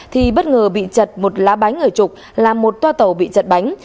thì bất ngờ bị chật một lá bánh ở trục làm một toa tàu bị chật bánh